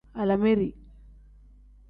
Alaameri.